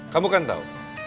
kamu kan tau